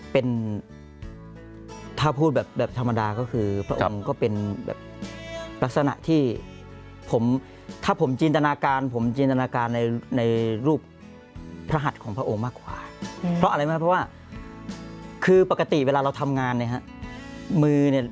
เป็นถ้าพูดแบบธรรมดาก็คือพระองค์ก็เป็นแบบลักษณะที่ผมถ้าผมจินตนาการผมจินตนาการในรูปพระหัสของพระองค์มากกว่าเพราะอะไรมากเพราะว่าคือปกติเวลาเราทำงานนะครับ